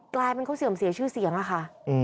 กลายเป็นเขาเสื่อมเสียชื่อเสียงอะค่ะ